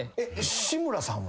志村さんは？